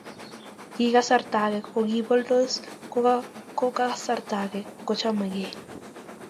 kikasarta age kokiboldos ko kasarta age kochamegei